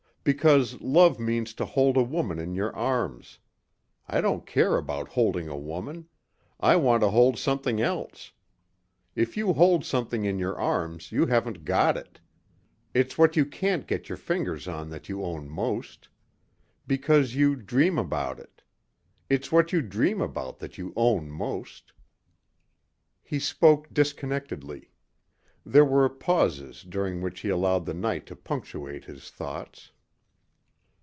Because love means to hold a woman in your arms. I don't care about holding a woman. I want to hold something else. If you hold something in your arms you haven't got it. It's what you can't get your fingers on that you own most. Because you dream about it. It's what you dream about that you own most." He spoke disconnectedly. There were pauses during which he allowed the night to punctuate his thoughts.